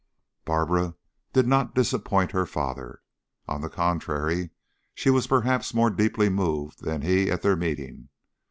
Barbara did not disappoint her father. On the contrary, she was perhaps more deeply moved than he at their meeting.